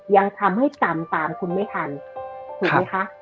ยังทำให้จำตามคุณไม่ทันถูกไหมคะ